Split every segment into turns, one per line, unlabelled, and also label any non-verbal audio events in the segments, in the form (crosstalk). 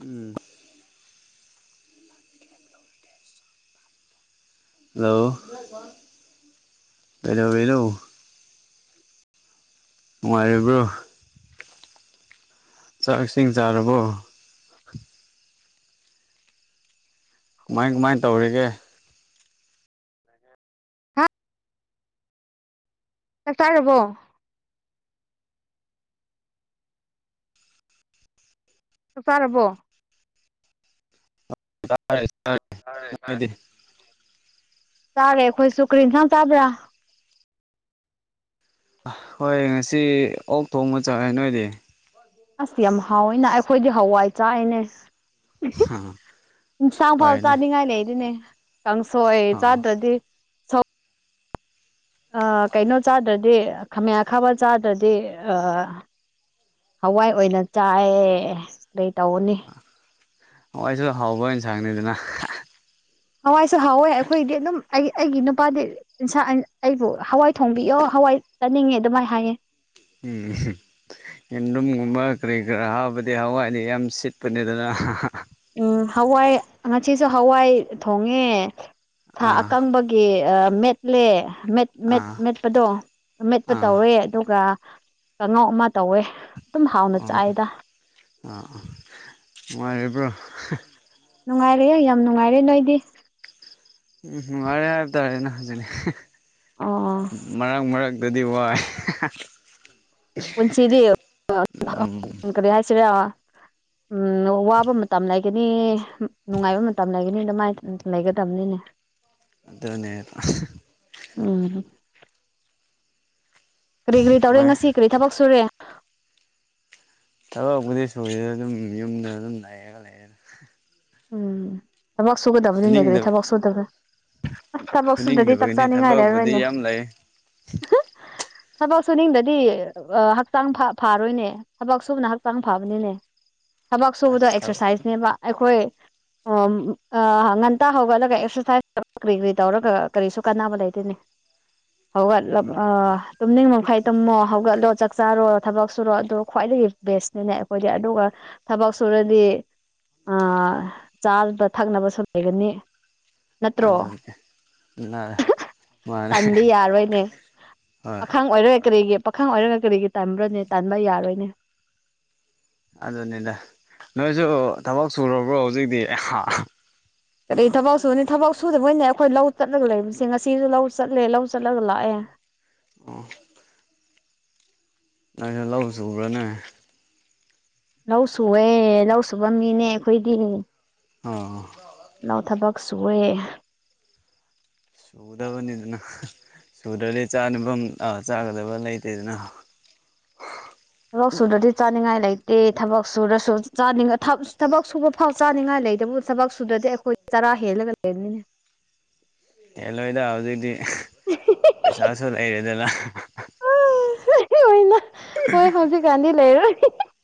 ꯎꯝ hello ꯗꯩꯗꯧꯔꯤꯅꯣ ꯅꯨꯡꯉꯥꯏꯔꯤꯕ꯭ꯔꯣ ꯆꯥꯛ ꯏꯁꯤꯡ ꯆꯥꯔꯕꯣ ꯀꯨꯃꯥꯏ ꯀꯨꯃꯥꯏ ꯇꯧꯔꯤꯒꯦ
ꯍꯥ ꯆꯥꯛ ꯆꯥꯔꯕꯣ ꯆꯥꯛ ꯆꯥꯔꯕꯣ
(inaudible)
ꯆꯥꯔꯦ ꯈꯣꯏꯁꯨ ꯀꯔꯤ ꯏꯟꯁꯥꯡ ꯆꯥꯕ꯭ꯔꯥ
ꯍꯣꯏ ꯉꯁꯤ ꯑꯣꯛ ꯊꯣꯡꯕ ꯆꯥꯏ ꯅꯣꯏꯗꯤ
ꯑꯁ ꯌꯥꯝ ꯍꯥꯎꯋꯤꯅ ꯑꯩꯈꯣꯏꯗꯤ ꯍꯋꯥꯏ ꯆꯥꯔꯦꯅꯦ ꯏꯟꯁꯥꯡ ꯐꯥꯎ
ꯐꯔꯦꯅꯦ
ꯆꯥꯅꯤꯡꯉꯥꯏ ꯂꯩ ꯑꯗꯦꯅꯦ꯫ ꯀꯪ ꯁꯣꯏ
ꯑꯣ
ꯆꯥꯗꯗꯤ ꯑꯥ ꯀꯩꯅꯣ ꯆꯥꯗ꯭ꯔꯗꯤ ꯈꯥꯃꯌꯥ ꯈꯥꯕ ꯆꯥꯗ꯭ꯔꯗꯤ ꯑ ꯍꯋꯥꯏ ꯑꯣꯏꯅ ꯆꯥꯑꯦ ꯀꯩ ꯇꯧꯅꯤ꯫
ꯍꯋꯥꯏꯁꯨ ꯍꯥꯎꯕ ꯏꯅꯁꯥꯡꯅꯤꯗꯅ꯫
ꯍꯋꯥꯏꯁꯨ ꯍꯥꯎꯋꯦ ꯑꯩꯈꯣꯏꯗꯤ ꯑꯗꯨꯝ꯫ ꯑꯩ ꯑꯩꯒꯤ ꯅꯨꯄꯥꯗꯤ ꯏꯟꯁꯥ ꯑꯩꯕꯨ ꯍꯋꯥꯏ ꯊꯣꯡꯕꯤꯌꯣ ꯍꯋꯥꯏ ꯆꯥꯅꯤꯡꯉꯦ ꯑꯗꯨꯃꯥꯏꯅ ꯍꯥꯏꯌꯦ꯫
ꯎꯝ꯫ ꯌꯦꯨꯝꯗꯨꯝꯒꯨꯝꯕ ꯀꯔꯤ ꯀꯔ ꯍꯥꯞꯕꯗꯤ ꯍꯋꯥꯏꯗꯤ ꯌꯥꯝ ꯁꯤꯠꯄꯅꯦꯗꯅ꯫
ꯎꯝ ꯍꯋꯥꯏ ꯉꯁꯤꯁꯨ ꯍꯋꯥꯏ ꯊꯣꯡꯉꯦ꯫ ꯁꯥ
ꯑꯥ
ꯑꯀꯪꯕꯒꯤ ꯃꯦꯠꯂꯦ꯫ ꯃꯦꯠ ꯃꯦꯠ
ꯑꯥ
ꯃꯦꯠꯄꯗꯣ ꯃꯦꯠꯄ
ꯑꯥ
ꯇꯧꯋꯦ ꯑꯗꯨꯒ ꯀꯥꯡꯉꯧ ꯑꯃ ꯇꯧꯋꯦ꯫ ꯑꯗꯨꯝ ꯍꯥꯎꯅ
ꯑꯥ
ꯆꯥꯏꯗ
ꯑꯥ ꯑꯥ ꯑꯥ ꯅꯨꯡꯉꯥꯏꯔꯤꯕ꯭ꯔꯣ꯫
ꯅꯨꯡꯉꯥꯏꯔꯤꯌꯦ ꯌꯥꯝ ꯅꯨꯡꯉꯥꯏꯔꯦ ꯅꯣꯏꯗꯤ꯫
ꯎꯝ ꯅꯨꯡꯉꯥꯏꯔꯦ ꯍꯥꯏꯕ ꯇꯥꯔꯦꯅ ꯑꯗꯨꯅꯤ
ꯑꯣ
ꯃꯔꯥꯡ ꯃꯔꯥꯛ ꯗꯗꯤ ꯋꯥꯏ
ꯄꯨꯟꯁꯤꯗꯤ
ꯎꯝ
ꯀꯔꯤ ꯍꯥꯏꯁꯤꯔꯥ
(inaudible)
ꯎꯝ ꯋꯥꯕ ꯃꯇꯝ ꯂꯩꯒꯅꯤ ꯅꯨꯡꯉꯥꯏꯕ ꯃꯇꯝ ꯂꯩꯒꯅꯤ ꯑꯗꯨꯃꯥꯏꯅ ꯂꯩꯒꯗꯕꯅꯤꯅꯦ꯫
ꯑꯗꯨꯅꯦꯕ꯫
ꯑ꯫ ꯀꯔꯤ-ꯀꯔꯤ ꯇꯧꯔꯦ
ꯀꯃꯥꯏ
ꯉꯁꯤ ꯀꯔꯤ ꯊꯕꯛ ꯁꯨꯔꯦ꯫
ꯊꯕꯛꯕꯨꯨꯗꯤ ꯁꯨꯗꯦꯅ ꯑꯗꯨꯝ ꯌꯨꯝꯗ ꯑꯗꯨꯝ ꯂꯩꯥꯔꯒ ꯂꯩꯔꯦꯗ꯫
ꯎꯝ ꯊꯕꯛ ꯁꯨꯒꯗꯕꯅꯤꯅꯦ ꯀꯔꯤ
ꯁꯨꯅꯤꯡꯗꯕ
ꯊꯕꯛ ꯁꯨꯗꯕ꯭ꯔꯥ꯫ ꯑꯁ ꯊꯕꯛ ꯁꯨꯗꯗꯤ ꯆꯥꯛ
ꯁꯨꯅꯤꯡꯗꯕꯒꯤꯅꯤ
ꯆꯥꯅꯤꯡꯉꯥꯏ
ꯊꯕꯛꯄꯨꯗꯤ
ꯂꯩꯔꯣꯏꯅꯦ꯫
ꯌꯥꯝ ꯂꯩ
ꯊꯕꯛ ꯁꯨꯅꯤꯡꯗꯗꯤ ꯍꯛꯆꯥꯡ ꯐꯥꯔꯣꯏꯅꯦ ꯊꯕꯛ ꯁꯨꯕꯅ ꯍꯛꯆꯥꯡ ꯐꯕꯅꯤꯅꯦ꯫
(unintelligible)
ꯊꯕꯛ ꯁꯨꯕꯗꯣ
ꯑꯁ ꯊꯕꯛ
ꯑꯦꯛꯁꯔꯁꯥꯏꯁꯅꯦꯕ ꯑꯩꯈꯣꯏ ꯑꯣꯝ ꯑ ꯉꯟꯇꯥ ꯍꯧꯒꯠꯂꯒ ꯑꯦꯛꯁꯔꯁꯥꯏꯁ ꯀꯔꯤ-ꯀꯔꯤ ꯇꯧꯔꯒ ꯀꯔꯤꯁꯨ ꯀꯥꯟꯅꯕ ꯂꯩꯇꯦꯅꯦ꯫ ꯍꯧꯒꯠꯂ ꯑ
ꯎꯝ
ꯇꯨꯝꯅꯤꯡ ꯃꯈꯥꯏ ꯇꯨꯝꯃꯣ ꯍꯧꯒꯠꯂꯣ ꯆꯥꯛ ꯆꯥꯔꯣ ꯊꯕꯛ ꯁꯨꯔꯣ ꯑꯗꯨꯣ ꯈ꯭ꯋꯥꯏꯗꯒꯤ ꯕꯦꯁꯅꯤꯅꯦ ꯑꯩꯈꯣꯏꯗꯤ ꯑꯗꯨꯒ ꯊꯕꯛꯁꯨ ꯁꯨꯔꯗꯤ ꯑ ꯆꯥꯕ ꯊꯛꯅꯕꯁꯨ ꯂꯩꯒꯅꯤ꯫ ꯅꯠꯇ꯭ꯔꯣ
ꯑꯗꯨꯅꯦ ꯅ ꯑ ꯃꯥꯅꯦ꯫ ꯍꯣꯏ
ꯄꯥꯈꯥꯡ ꯑꯣꯏꯔꯒ ꯀꯔꯤꯒꯤ ꯄꯥꯈꯪ ꯑꯣꯏꯔꯒ ꯀꯔꯤꯒꯤ ꯇꯥꯟꯕ꯭ꯔꯣꯅꯦ ꯇꯥꯟꯕ ꯌꯥꯔꯣꯏꯅꯦ꯫
ꯑꯗꯨꯅꯤꯅꯦ ꯅꯣꯏꯁꯨ ꯊꯕꯛ ꯁꯨꯔꯕ꯭ꯔꯣ ꯍꯧꯖꯤꯛꯗꯤ ꯑꯍ ꯍ꯫
ꯀꯔꯤ ꯊꯕꯛ ꯁꯨꯅꯤ ꯊꯕꯥꯛꯁ ꯁꯨꯗꯕ ꯑꯣꯏꯅꯦ ꯑꯩꯈꯣꯏ ꯂꯧ ꯆꯠꯂꯒ ꯂꯩꯕꯁꯦ ꯉꯁꯤꯁꯨ ꯂꯧ ꯆꯠꯂꯦ ꯂꯧ ꯆꯠꯂꯒ ꯂꯥꯛꯑꯦ꯫
ꯑꯣ꯫ ꯅꯪꯁꯨ ꯂꯧ ꯆꯨꯕ꯭ꯔꯥꯅꯦ꯫
ꯂꯧ ꯁꯨꯑꯦ ꯂꯧ ꯁꯨꯕ ꯃꯤꯅꯦ ꯑꯩꯈꯣꯏꯗꯤ꯫
ꯑꯣ꯫
ꯅ ꯊꯕꯛ ꯁꯨꯋꯦ꯫
ꯁꯨꯗꯕꯅꯤꯗꯅ꯫ ꯁꯨꯗ꯭ꯔꯗꯤ ꯆꯥꯅꯐꯝ ꯑ ꯆꯥꯒꯗꯕ ꯂꯩꯇꯦꯗꯅ꯫
ꯊꯕꯛ ꯁꯨꯗ꯭ꯔꯗꯤ ꯆꯥꯅꯤꯡꯉꯥꯏ ꯂꯩꯇꯦ ꯊꯕꯛ ꯁꯨꯔꯁꯨ ꯆꯥꯅꯤꯡꯑ ꯊꯞ ꯊꯕꯛ ꯁꯨꯕ ꯐꯥꯎ ꯆꯥꯅꯤꯡꯉꯥꯏ ꯂꯩꯇꯕ ꯊꯕꯛ ꯁꯨꯗ꯭ꯔꯗꯤ ꯑꯩꯈꯣꯏ ꯆꯔꯥ ꯍꯦꯜꯂꯒ ꯂꯩꯔꯅꯤ꯫
(unintelligible) ꯍꯦꯂꯣꯏꯗ ꯍꯧꯖꯤꯛꯇꯤ ꯄꯩꯁꯥꯁꯨ ꯂꯩꯔꯦꯗꯅ꯫
ꯑꯦ ꯑꯣꯏꯅ ꯍꯣꯏ ꯍꯧꯖꯤꯛꯀꯥꯟꯗꯤ ꯂꯩꯔꯣꯏ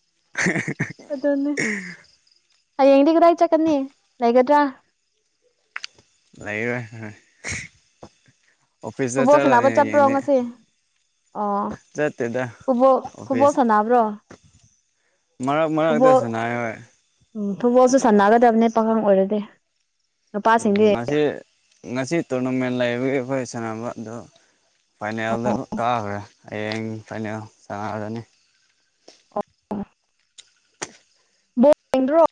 (unintelligible)
ꯌꯦꯡꯗꯤꯒ꯭ꯔꯏ ꯆ ꯀꯅꯤ ꯅꯒꯗ꯭ꯔꯥ
ꯂꯩꯔ
ꯍꯨꯕꯣ ꯁꯅꯕ ꯆꯠꯄ꯭ꯔꯣ ꯉꯁꯤ ꯑꯣ
ꯆꯠꯇꯦꯗ
ꯐꯕ ꯐꯕꯣ ꯁꯅꯥꯕ꯭ꯔꯣ
ꯃꯔꯥꯛ ꯃꯔꯛꯗꯁꯅꯥꯏ ꯍꯣꯏ
ꯎꯝ ꯐꯨꯠꯕꯣꯜꯁꯨ ꯁꯥꯟꯅꯒꯗꯕꯅꯦ ꯄꯥꯈꯪ ꯑꯣꯏꯔꯗꯤ ꯅꯨꯄꯥꯁꯤꯡꯗꯤ
ꯉꯁꯤ ꯉꯁꯤ ꯇꯣꯔꯅꯥꯃꯦꯟ ꯂꯩꯕꯒꯤ ꯑꯩꯈꯣꯏ ꯁꯅꯕꯗ ꯐꯥꯏꯅꯦꯜꯗ ꯀꯥꯈ꯭ꯔꯦ ꯍꯌꯦꯡ ꯐꯥꯏꯅꯦꯜ ꯆꯪꯉꯛꯑꯔꯅꯤ (inaudible)
ꯕ꯭ꯔꯣ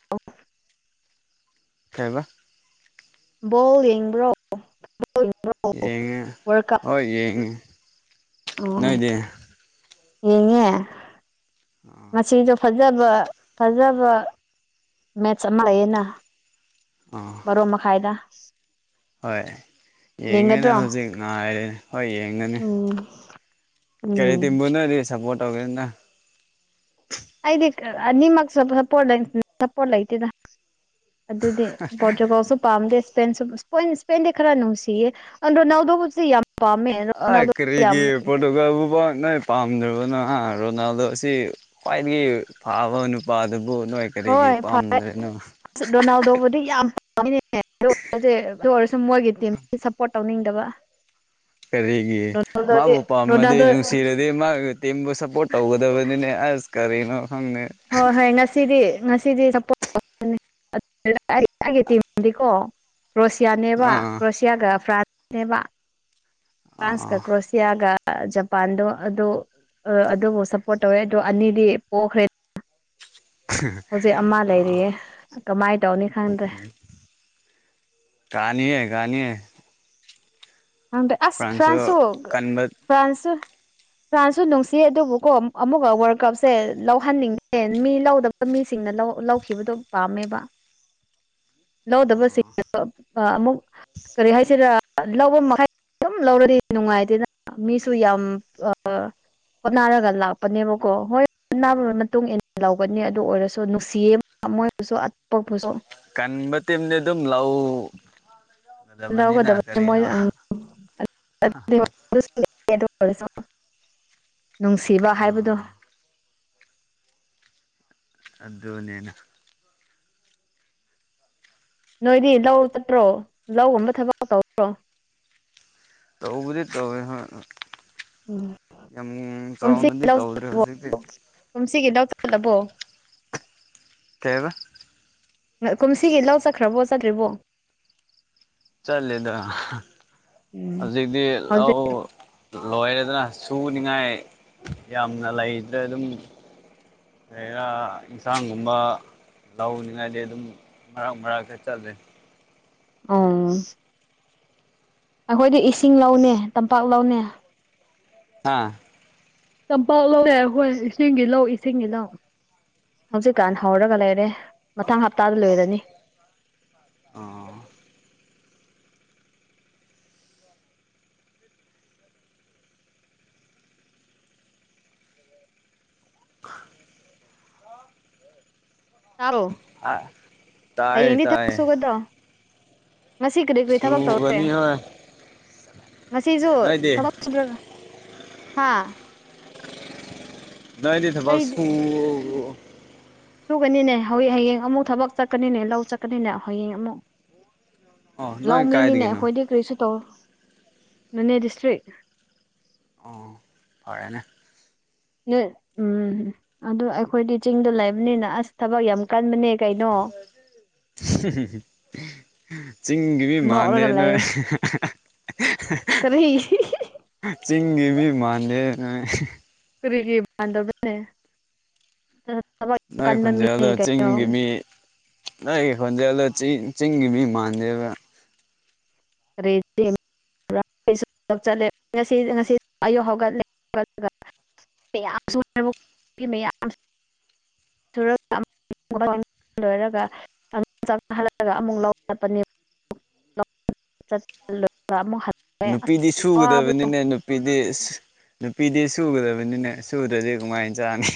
ꯇꯕ
ꯕꯣ ꯌꯦꯡꯕ꯭ꯔꯣ
ꯌꯦꯡꯉ
ꯋꯥꯔꯜ ꯀꯞ
ꯍ ꯌꯦꯡꯉ ꯅꯣꯏꯗꯤ
ꯌꯦꯉꯦ ꯃꯁꯤꯗ ꯐꯖꯕ ꯐꯖꯕ ꯃꯦꯠꯆ ꯑꯃ ꯂꯩꯌꯦꯅ
ꯑꯥ
ꯔꯣ ꯃꯈ ꯐꯥꯏꯗ
ꯍꯣꯏ ꯌꯦꯡꯒꯅꯤ
ꯌꯦꯡꯒꯗ꯭ꯔꯣ
ꯍꯧꯖꯤꯛ ꯉꯥꯏꯔꯦꯅꯦ ꯍꯣꯏ ꯌꯦꯡꯒꯅꯤ
ꯎꯝ
ꯀꯔꯤ
ꯎꯝ
ꯇꯤꯕꯨꯅꯣꯗꯤ ꯁꯞꯄꯣꯔꯠ ꯇꯧꯒꯦꯅ
ꯑꯩꯗꯤ ꯑꯅꯤꯃꯛ ꯁꯞꯄꯣꯔꯠ ꯁꯞꯄꯣꯔꯠ ꯂꯩꯇꯦꯗ ꯑꯗꯨꯗꯤ ꯕꯣꯔꯇꯒꯥꯎꯁꯨ ꯄꯥꯝꯗꯦ ꯁꯄꯦꯟ ꯗꯦ ꯈꯔꯅꯨꯡꯁꯤꯌꯦꯣ ꯅꯗ ꯌꯥꯝ ꯄꯥꯝꯃꯦ
ꯑ
ꯔꯣꯅꯥꯜꯗꯣ ꯌꯥꯝ
ꯀꯔꯤꯒꯤ ꯄꯒꯕꯨ ꯅꯣꯏ ꯄꯥꯝꯗ꯭ꯔꯕꯅ ꯔꯣꯅꯥꯜꯗꯣ ꯑꯁꯤ ꯈ꯭ꯋꯥꯏꯗꯒꯤ ꯐꯥꯕ ꯅꯨꯄꯥ ꯑꯗꯨ ꯅꯣꯏ ꯀꯔꯤꯒꯤ
ꯍꯣꯏ ꯐ
ꯄꯥꯝꯗ꯭ꯔꯔꯤꯅꯣ
ꯅꯦ ꯑꯣꯏ ꯑꯗꯨ ꯑꯣꯏꯔꯁꯨ ꯃꯣꯏꯒꯤ ꯇꯤꯝ ꯁꯞꯄꯣꯔꯠ ꯇꯧꯅꯤꯡꯗꯕ
ꯀꯔꯤꯒꯤ
ꯔꯣꯅꯥꯜꯗꯣꯗꯤ
ꯃꯥꯕꯨ ꯄꯥꯝꯃꯗꯤ
ꯔꯣꯅꯥꯜꯗꯣ
ꯅꯨꯡꯁꯤꯔꯗꯤ ꯃꯥꯒꯤ ꯇꯤꯝꯕꯨ ꯁꯞꯄꯣꯔꯠ ꯇꯧꯒꯗꯕꯅꯤꯅꯦ ꯑꯁ ꯀꯔꯤꯅꯣ ꯈꯪꯗꯦ
ꯍꯣꯏ ꯍꯣꯏ ꯉꯁꯤꯗꯤ ꯉꯁꯤꯗꯤꯗꯤꯀꯣ ꯀ꯭ꯔꯣꯁꯤꯌꯥꯅꯦꯕ
ꯑꯥ
ꯀ꯭ꯔꯣꯁꯤꯌꯥꯒ ꯐ꯭ꯔꯥꯟꯁꯅꯦꯕ ꯐ꯭ꯔꯥꯟꯁ ꯀ
ꯑꯥ
ꯀ꯭ꯔꯣꯁꯤꯌꯥꯒ ꯖꯄꯥꯟꯗꯣ ꯑꯗꯨ ꯑꯗꯨꯕꯨ ꯁꯞꯄꯣꯔꯠ ꯇꯧꯋꯦ ꯑꯗꯣ ꯑꯅꯤꯗꯤ ꯄꯣꯛꯈ꯭ꯔꯦ ꯍꯧꯖꯤꯛ ꯑꯃ ꯂꯩꯔꯤꯌꯦ ꯀꯃꯥꯏꯅ ꯇꯧꯅꯤ ꯈꯪꯗ꯭ꯔꯦ
ꯀꯥꯅꯤ ꯀꯅꯤ
ꯪ ꯑꯁ
ꯐ꯭ꯔꯥꯟꯁꯁꯨ
ꯐ꯭ꯔꯥꯟꯁ
ꯀꯟꯕ
ꯐ꯭ꯔꯥꯟꯁ ꯐ꯭ꯔꯥꯟꯁꯁꯨ ꯅꯨꯡꯁꯤ ꯑꯗꯨꯕꯨꯀꯣ ꯑꯃꯨꯛꯀ ꯋꯥꯔꯜ ꯀꯞꯁꯦ ꯂꯧꯍꯟꯅꯤꯡꯗꯦ ꯃꯤ ꯂꯧꯗꯕ ꯃꯤ ꯁꯤꯡꯅ ꯂꯧꯈꯤꯕꯗꯣ ꯄꯥꯝꯃꯦꯕ ꯂꯧꯗꯕꯁꯤ ꯑꯃꯨꯛ ꯀꯔꯤ ꯍꯥꯏꯁꯤꯔꯥ ꯂꯧꯕ ꯃꯈꯩ ꯑꯗꯨꯝ ꯂꯧꯔꯗꯤ ꯅꯨꯡꯉꯥꯏꯇꯦꯅ ꯃꯤꯁꯨ ꯌꯥꯝ ꯍꯣꯅꯔꯒ ꯂꯥꯛꯄꯅꯦꯕꯀꯣ ꯍꯣꯏ ꯑꯅꯥꯕꯒꯤ ꯃꯇꯨꯡ ꯏꯟꯅ ꯂꯧꯒꯅꯤ ꯑꯗꯨ ꯑꯣꯏꯔꯁꯨ ꯅꯨꯡꯁꯤ ꯃꯣꯏꯕꯨꯁꯨ ꯑꯇꯣꯞꯄꯨꯁꯨ
ꯀꯟꯕ ꯇꯝꯗꯤ ꯑꯗꯨꯝ ꯂꯧ
ꯂꯧꯒꯗꯣꯏ ꯅꯨꯡꯁꯤꯕ
ꯎꯝ
ꯍꯥꯏꯕꯗꯣ
ꯑꯗꯨ ꯅꯅ
ꯅꯣꯏꯗꯤ ꯂꯧ ꯆꯠꯇ꯭ꯔꯣ ꯂꯧꯒꯨꯝꯕ ꯊꯕꯛ ꯇꯧꯗ꯭ꯔꯣ
ꯇꯧꯕꯨ ꯇꯧ
ꯎꯝ
ꯌꯥꯝ ꯆꯥꯎꯅꯗꯤ ꯇꯧꯗ꯭ꯔꯦ ꯍꯧꯖꯤꯛꯇꯤ
ꯀꯨꯝꯁꯤꯒꯤꯗꯎ ꯆꯜꯂꯕꯣ
ꯇꯕ
ꯀꯨꯝꯁꯤꯒꯤ ꯂꯧ ꯆꯠꯈ꯭ꯔꯕꯣ ꯆꯠꯇ꯭ꯔꯤꯕꯣ
ꯆꯠꯂꯦꯗ
ꯎꯝ
ꯍꯧꯖꯤꯛꯇꯤ
ꯍꯧꯖꯤꯛ
ꯂꯧ ꯂꯣꯏꯔꯦꯗꯅ ꯁꯨꯅꯤꯡꯉꯥꯏ ꯌꯥꯝꯅ ꯂꯩꯗꯅ ꯑꯗꯨꯝ ꯑꯩꯅ ꯌꯦꯟꯁꯥꯡꯒꯨꯝꯕ ꯂꯧꯅꯤꯡꯉꯥꯏꯗꯤ ꯑꯗꯨꯝ ꯃꯔꯛ ꯃꯔꯛ ꯈ ꯆꯠꯂꯦ
ꯑꯥ ꯑꯩꯈꯣꯏꯗꯤ ꯏꯁꯤꯡ ꯂꯧꯅꯦ ꯇꯝꯄꯥꯛ ꯂꯧꯅꯦ
ꯍꯥꯥ
ꯀꯝꯄꯥꯎ ꯂꯧ ꯍꯣꯏ ꯏꯁꯤꯡꯒꯤ ꯂꯧ ꯏꯁꯤꯡꯒꯤ ꯂꯧ ꯍꯧꯖꯤꯛꯀꯥꯟ ꯍꯧꯔꯒ ꯂꯩꯔꯦ ꯃꯊꯪ ꯍꯞꯇꯥꯗ ꯂꯣꯏꯔꯅꯤ
ꯑ
ꯇꯔꯣ
ꯇꯥꯏꯌꯦ
ꯑꯌꯦꯅꯤ
ꯇꯥꯏꯌꯦ
ꯊꯧꯁꯨ ꯀꯗꯥ ꯉꯁꯤ ꯀꯔꯤ ꯀꯔꯤ ꯊꯕꯛ ꯇꯧꯔꯦ
ꯁꯨꯒꯅꯤ ꯍꯣꯏ
ꯉꯁꯤꯁꯨ
ꯅꯣꯏꯗꯤ
ꯊꯕꯛ꯭ꯔ ꯍꯥꯥ ꯑꯩꯗꯤ
ꯏꯗꯤꯗꯕꯁꯨꯨꯡ
ꯁꯨꯒꯅꯤꯅꯦ ꯍꯧ ꯍꯌꯦꯡ ꯑꯃꯨꯛ ꯊꯕꯛ ꯆꯠꯀꯅꯤꯅꯦ ꯂꯧ ꯆꯠꯀꯅꯤꯅꯦ ꯍꯌꯦꯡ ꯑꯃꯨꯛ
ꯑꯣ ꯅꯣꯏ
ꯂꯧꯃꯤꯅꯤꯅꯦ
ꯀꯥꯏꯗꯒꯤꯅꯣ
ꯑꯩꯈꯣꯏꯗꯤ ꯀꯔꯤꯁꯨ ꯇꯧ ꯃꯅꯦ ꯗꯤꯁꯇ꯭ꯔꯤ
ꯑꯣ ꯐꯔꯦꯅꯦ
ꯎꯝ ꯑꯗꯨ ꯑꯩꯈꯣꯏꯗꯤ ꯆꯤꯡꯗ ꯂꯩꯕꯅꯤꯅ ꯑꯁ ꯊꯕꯛ ꯌꯥꯝ ꯀꯟꯕꯅꯦ ꯀꯩꯅꯣ
(unintelligible) ꯆꯤꯡꯒꯤ ꯃꯤ ꯃꯥꯟꯗꯦ
ꯅꯣꯛꯔꯒ
ꯅꯣꯏ
ꯂꯩꯌꯦ ꯀꯔꯤ
ꯆꯤꯡꯒꯤꯕꯤ ꯃꯥꯟꯗꯦ ꯅꯣꯏ
ꯀꯔꯤꯗꯅꯦ
ꯅꯣꯏ ꯈꯣꯟꯖꯦꯜꯜꯂꯣ ꯆꯤꯡꯒꯤ ꯃꯤ ꯅꯣꯏꯒꯤ ꯈꯣꯟꯖꯦꯜꯂ ꯆꯤꯡꯒꯤ ꯃꯤ ꯃꯥꯟꯗꯦꯕ
ꯔꯦ ꯉꯁꯤ ꯉꯁꯤ ꯑꯌꯨꯛ ꯍꯧꯒꯠꯂꯦꯂ (unintelligible) ꯂꯣꯏꯔꯒ ꯆꯅ ꯍꯜꯂꯛꯂꯒ ꯑꯃꯨꯛ ꯂꯧ ꯆꯠꯄꯅꯦ
ꯎꯝ
ꯂ (unintelligible)
ꯅꯨꯄꯤꯗꯤ ꯁꯨꯒꯗꯕꯅꯤꯅꯦ ꯅꯨꯄꯤꯗꯤ ꯅꯨꯄꯤꯗꯤ ꯁꯨꯒꯗꯕꯅꯤꯅꯦ ꯁꯨꯗ꯭ꯔꯗꯤ ꯀꯃꯥꯏꯅ ꯆꯥꯅꯤ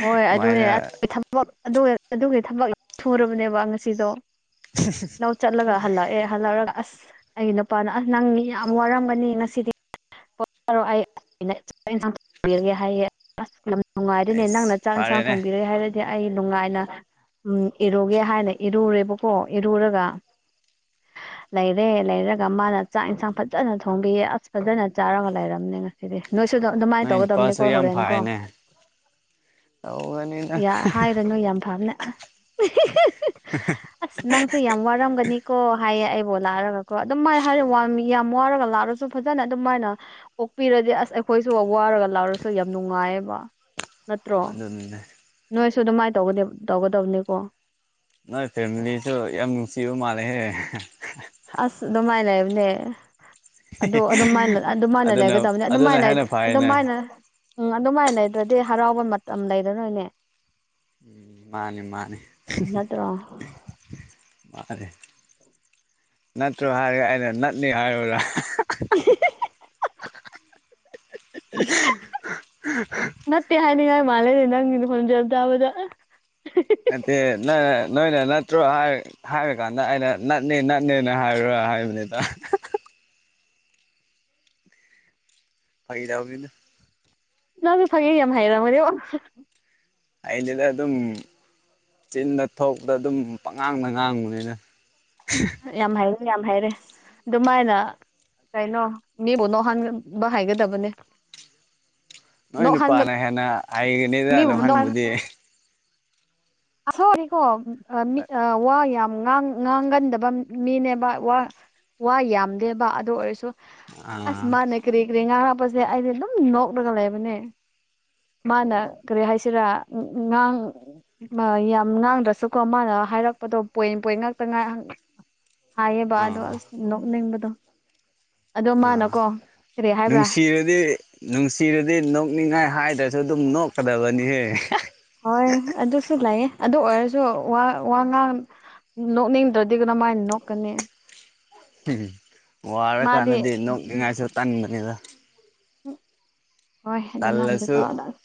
ꯍꯣꯏ ꯑꯗꯨꯅꯦ
ꯀꯃꯥꯏꯅ
ꯊ ꯑꯗꯨꯒꯤ ꯊꯕꯛ ꯁꯨꯔꯕꯅꯦꯕ ꯉꯁꯤꯗꯣ ꯂꯧ ꯆꯠꯂꯒ ꯍꯜꯂꯛꯑꯦ ꯍꯜꯂꯛꯔꯒ ꯑꯁ ꯑꯩꯒꯤ ꯅꯨꯄꯥꯅ ꯑꯁ ꯅꯪ ꯃꯤ ꯌꯥꯝ ꯋꯥꯔꯝꯒꯅꯤ ꯉꯁꯤꯗꯤ ꯔ ꯑꯩꯒꯦ ꯍꯥꯏꯌꯦꯦ ꯑꯁ ꯅꯨꯡꯉꯥꯏ (unintelligible) ꯑꯗꯨꯅꯦ ꯅꯪꯅ
ꯑꯁ
ꯆꯥꯛ ꯏꯟꯁꯥꯡ
ꯐꯔꯦꯅꯦ
ꯊꯣꯡꯕꯤꯔꯦ ꯍꯥꯏꯔꯗꯤ ꯗꯤ ꯑꯩ ꯅꯨꯡꯉꯥꯏꯅ ꯎ ꯏꯔꯨꯒꯦ ꯍꯥꯏꯅ ꯏꯔꯨꯔꯦꯕꯀꯣ ꯏꯔꯨꯔꯒ ꯂꯩꯔꯦ ꯂꯩꯔꯒ ꯃꯥꯅ ꯆꯥꯛ ꯏꯟꯁꯥꯡ ꯐꯖꯅ ꯊꯣꯡꯕꯤꯌꯦ ꯑꯁ ꯐꯖꯅ ꯆꯥꯔꯒ ꯂꯩꯔꯝꯅꯦ ꯉꯁꯤꯗꯤ ꯅꯣꯏꯁꯨ ꯑꯗꯨꯃꯥꯏꯅ
ꯅꯣꯏ
ꯇꯧꯒꯗꯕꯅꯤꯀꯣ ꯍꯣꯔꯦꯟ ꯀꯣ
ꯑꯥꯎ
ꯍꯥꯏꯔꯅꯨ ꯌꯥꯝ ꯐꯝꯅ ꯑꯁ ꯅꯪꯁꯦ ꯌꯥꯝ ꯋꯥꯔꯝꯒꯅꯤꯀꯣ ꯍꯥꯏꯌꯦ ꯑꯩꯕꯨ ꯂꯑꯒꯣ ꯑꯗꯨ ꯍꯥꯏ ꯋꯥꯔꯒ ꯂꯑꯁꯨ ꯐꯖꯅ ꯑꯗꯨꯥꯏꯅ ꯑꯣꯄꯤꯔ ꯑꯁ ꯑꯩꯈꯣꯏꯁꯨ ꯋꯥꯔꯒ ꯂꯥꯎꯔꯁꯨ ꯌꯥꯝ ꯅꯨꯡꯉꯥꯏꯌꯦꯕ ꯅꯠꯇ꯭ꯔꯣ
ꯑꯗꯨꯅꯤꯅꯦ
ꯅꯣꯏꯁꯨ ꯑꯗꯨꯃꯥꯏꯅ ꯇꯧꯒ ꯇꯧꯒꯗꯕꯅꯤꯀꯣ
ꯅꯣꯏ ꯐꯦꯃꯤꯂꯤꯁꯨ ꯌꯥꯝ ꯅꯨꯡꯁꯤꯕ ꯃꯥꯜꯂꯦꯍꯦ
ꯑꯁ ꯑꯗꯨꯃꯥꯏ ꯂꯩꯕꯅꯦ ꯑꯗꯣ ꯑꯗꯨꯃꯥꯏꯅ ꯑꯗꯨꯃꯥꯏꯅ
ꯑꯗꯨꯅ
ꯂꯩꯒꯗꯕꯅꯤ
ꯑꯗꯨꯅ
ꯑꯗꯨꯃꯥꯏꯅ
ꯍꯦꯟꯅ ꯐꯩꯅꯦ
ꯑꯗꯨꯃꯥꯏꯅ ꯎꯝ ꯑꯗꯨꯃꯥꯏꯅ ꯂꯩꯗ꯭ꯔꯗꯤ ꯍꯔꯥꯎꯕ ꯃꯇꯝ ꯂꯩꯔꯥꯔꯣꯏꯅꯦ
ꯎꯝ ꯃꯥꯅꯤ ꯃꯥꯅꯤ
ꯅꯠꯇ꯭ꯔꯣ
ꯃꯥꯅꯤ ꯅꯠꯇ꯭ꯔꯣ ꯍꯥꯏꯔꯒ ꯑꯩꯅ ꯅꯠꯂꯤ ꯍꯥꯏꯔꯨꯔꯥ
(inaudible) (unintelligible) ꯃꯥꯂꯦ ꯂꯩ ꯏꯅꯪꯅꯤꯅ ꯐꯣꯟꯖꯦꯜꯗꯥꯎꯕꯗ
(unintelligible) ꯅꯣꯏꯅ ꯅꯠꯇ꯭ꯔꯣ ꯍꯥꯏꯔꯀꯥꯟꯗ ꯑꯩꯅ ꯅꯠꯅꯦ ꯅꯠꯅꯦꯅ ꯍꯥꯏꯔꯣ ꯍꯥꯏꯕꯅꯤꯗ (inaudible) ꯐꯥꯒꯤꯇꯧꯕꯅꯤꯗ
ꯅꯪꯁꯨ ꯐꯥꯒꯤ ꯌꯥꯝ ꯍꯥꯏꯔꯝꯃꯅꯦꯕꯨ
ꯑꯩꯗꯨꯗ ꯑꯗꯨꯝ ꯆꯤꯟꯗ ꯊꯣꯛꯄꯗ ꯑꯗꯨꯝ ꯄꯪꯉꯥꯡꯗ ꯉꯥꯡꯕꯅꯤꯅ
ꯌꯥꯝ ꯍꯥꯏꯔꯦ ꯌꯥꯝ ꯍꯥꯏꯔꯦ ꯑꯗꯨꯃꯥꯏꯅ ꯀꯩꯅꯣ ꯃꯤꯕꯨ ꯅꯣꯛꯍꯟꯕ ꯍꯥꯏꯒꯗꯕꯅꯦ
ꯅꯣꯏ ꯅꯨꯄꯥꯅ ꯍꯦꯟꯅ ꯍꯩꯒꯅꯤꯗꯅ
ꯃꯤꯕꯨ ꯅꯣꯛꯍꯟ
ꯅꯍꯟꯕꯗꯤ
(unintelligible) ꯉꯥꯡꯒꯟꯗꯕ ꯃꯤꯅꯦꯕ ꯋꯥ ꯌꯥꯝꯗꯦꯕ ꯑꯗꯨ ꯑꯣꯏꯔꯁꯨ ꯑꯁ
ꯑꯥ
ꯃꯥꯅꯦ ꯀꯔꯤ ꯀꯔꯤ ꯉꯥꯡꯔꯥꯛꯄꯁꯦ ꯑꯩꯗꯤ ꯑꯗꯨꯝ ꯅꯣꯛꯂꯒ ꯂꯩꯕꯅꯦ ꯃꯥꯅ ꯀꯔꯤ ꯍꯥꯏꯁꯤꯔꯥ ꯉꯥꯡ ꯌꯥꯝ ꯉꯥꯡꯗ꯭ꯔꯁꯨꯀꯣ ꯃꯥꯅ ꯍꯥꯏꯔꯛꯄꯗꯣ ꯄꯣꯏꯟ ꯄꯣꯏꯟ ꯉꯥꯛꯇ ꯉꯥꯏ ꯍꯥꯏꯌꯦꯕꯥ ꯑꯗꯨ
ꯑꯥ
ꯅꯣꯛꯅꯤꯡꯕꯗꯣ ꯑꯗꯣ
ꯑꯥ
ꯃꯥꯅꯀꯣ ꯀꯔꯤ ꯍꯥꯏꯕ꯭ꯔꯥ
ꯅꯨꯡꯁꯤꯔꯗꯤ ꯅꯨꯡꯁꯤꯔꯗꯤ ꯅꯣꯛꯅꯤꯡꯉꯥꯏ ꯉꯛꯇꯥꯅꯦ ꯑꯗꯨꯝ ꯅꯣꯛꯀꯗꯥꯕꯅꯤ ꯍꯦ
ꯍꯣꯏ ꯑꯗꯨꯁꯨꯨ ꯂꯩꯌꯦ ꯑꯗꯨ ꯑꯣꯏꯔꯁꯨ ꯋꯥ ꯋꯥ ꯉꯥꯡ ꯅꯣꯛꯅꯤꯡꯗ꯭ꯔꯗꯤ ꯀꯔꯝꯃꯥꯏꯅ ꯅꯣꯛꯀꯅꯤ
ꯎꯝ
ꯃꯥꯗꯤ
ꯋꯥꯔꯀꯥꯟꯗꯗꯤ ꯅꯣꯛꯅꯤꯡꯉꯥꯏꯁꯨ ꯇꯟꯥꯟꯕꯅꯤꯗ
ꯍ
ꯇꯜꯂꯁꯨ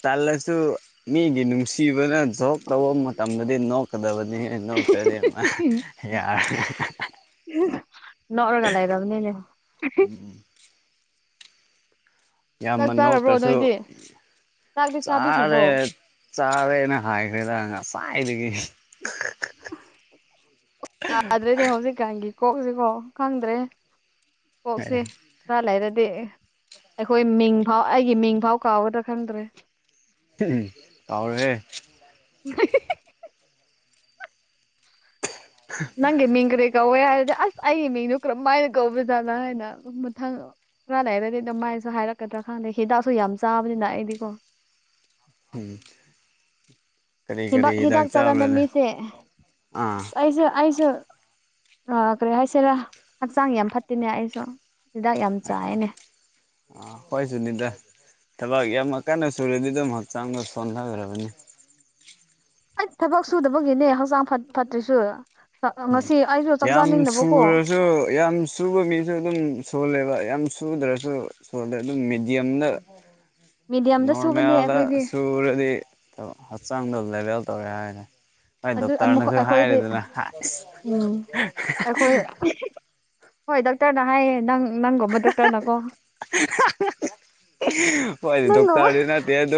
ꯇꯜꯂꯁꯨ ꯃꯤꯒꯤ ꯅꯨꯡꯁꯤꯕꯅ ꯖꯣꯀ ꯇꯧꯕ ꯃꯇꯝꯗꯗꯤ ꯅꯣꯛꯀꯗꯕ ꯅꯣꯛꯇꯔꯗꯤ ꯃꯥ ꯌꯔꯦ
ꯅꯣꯛꯔꯒ ꯂꯥꯏꯔꯥꯕꯅꯤꯅꯦ
ꯌꯥꯝꯅ
ꯆꯥꯔꯕ꯭ꯔꯣ
ꯅꯣꯛꯇ꯭ꯔꯁꯨ
ꯅꯣꯏꯗꯤ ꯆꯥꯛꯇꯤ ꯆꯥꯕꯤꯈ꯭ꯔꯕꯣ
ꯆꯥꯔꯦ ꯆꯥꯔꯦꯅ ꯍꯥꯏꯈ꯭ꯔꯦꯗ ꯉꯁꯥꯏꯗꯒꯤ
ꯌꯥꯗ꯭ꯔꯦꯗꯤ ꯍꯧꯖꯤꯛꯀꯥꯟꯒꯤ ꯀꯣꯛꯁꯤꯀꯣ ꯈꯪꯗ꯭ꯔꯦ ꯀꯣꯛꯁꯦ ꯈꯥꯔꯥ ꯂꯩꯔꯗꯤ ꯑꯩꯈꯣꯏ ꯃꯤꯡꯐꯥꯎ ꯑꯩꯒꯤ ꯃꯤꯡꯐꯥꯎ ꯀꯥꯎꯒꯗ꯭ꯔꯥ ꯈꯪꯗ꯭ꯔꯦ
ꯎꯝ ꯀꯥꯎꯔꯣꯏ ꯍꯦ
ꯅꯪꯒꯤ ꯃꯤꯡ ꯀꯔꯤ ꯌꯥ ꯑꯗ ꯑꯁ ꯑꯩꯒꯤ ꯃꯤꯡꯗꯣ ꯀꯔꯝ ꯃꯥꯏꯅ ꯀꯧꯕꯧꯖꯥꯠꯅ ꯍꯥꯏꯅ ꯃꯊꯪ ꯈꯔ ꯂꯩꯥꯏꯔꯥꯗꯤ ꯑꯗꯨꯝ ꯃꯥꯏꯁꯨ ꯍꯥꯏꯔꯛꯀꯗ꯭ꯔꯥ ꯈꯪꯗꯦ ꯍꯤꯗꯥꯛꯁꯨ ꯌꯥꯝ ꯆꯥꯕꯅꯤꯅ ꯑꯩꯗꯤꯀꯣ
ꯑꯎ
ꯍꯤꯗꯥꯛ ꯍꯤꯗꯥꯛ ꯆꯥꯒꯟꯕ ꯃꯤꯁꯦ
ꯑꯥ
ꯑꯁ ꯑꯩꯁꯨ ꯑꯩꯁꯨ ꯑ ꯀꯔꯤ ꯍꯥꯏꯁꯤꯔꯥ ꯍꯛꯆꯥꯡ ꯌꯥꯝ ꯐꯠꯇꯦꯅꯦ ꯑꯩꯁꯨ ꯍꯤꯗꯥꯛ ꯌꯥꯝ ꯆꯥꯏꯅꯦ
ꯑꯩꯈꯣꯏꯁꯨꯅꯤꯗ ꯊꯕꯛ ꯌꯥꯝ ꯀꯟꯅ ꯁꯨꯔꯗꯤ ꯑꯗꯨꯝ ꯍꯛꯆꯥꯡꯗ ꯁꯣꯟꯊꯈ꯭ꯔꯕꯅꯤ
ꯑꯩ ꯊꯕꯛ ꯁꯨꯗꯕꯒꯤꯅꯦ ꯍꯛꯆꯥꯡ ꯐꯠꯇ꯭ꯔꯤꯁꯨ
ꯎꯝ
ꯉꯁꯤ ꯑꯩꯁꯨ ꯆꯥꯛ
ꯌꯥꯝ
ꯆꯥꯅꯤꯡꯗꯕꯀꯣ
ꯁꯨꯔꯁꯨ ꯌꯥꯝ ꯁꯨꯕ ꯃꯤꯁꯨ ꯑꯗꯨꯝ ꯁꯣꯜꯂꯦꯕ ꯌꯥꯝ ꯁꯨꯗ꯭ꯔꯁꯨ ꯁꯣꯜꯂꯦ ꯑꯗꯨꯝ ꯃꯦꯗꯤꯌꯝꯗ
ꯃꯦꯗꯤꯌꯝꯗ ꯁꯨꯕꯅꯦ
ꯅꯣꯔꯃꯦꯜꯗ
ꯑꯩꯈꯣꯏꯗꯤ
ꯁꯨꯔꯗꯤ ꯍꯛꯆꯥꯡꯗ ꯂꯦꯚꯦꯜ ꯇꯧꯔꯦ ꯍꯥꯏꯔꯦ ꯍꯣꯏ
ꯑꯗꯨ ꯑꯃꯨꯛ
ꯗꯣꯛꯇꯔꯅꯁꯨ
ꯑꯩꯈꯣꯏꯗꯤ
ꯍꯥꯏꯔꯤꯦꯗꯅ
ꯎꯝ ꯑꯩꯈꯣꯏ ꯍꯣꯏ ꯗꯥꯛꯇꯔꯅ ꯍꯥꯏꯌꯦ ꯅꯪ ꯅꯪꯣꯕ ꯗꯣꯛꯇꯔꯅꯀꯣ
ꯐꯣꯏ ꯗꯗꯨꯛ
ꯅꯪꯒꯨꯝꯕ
ꯇ ꯅ ꯑꯗꯨ